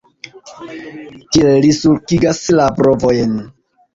Kiel li sulkigas la brovojn!